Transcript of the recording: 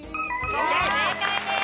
正解です。